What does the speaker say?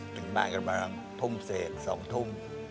ถึงมากันประมาณทุ่มเศษ๒ทุ่ม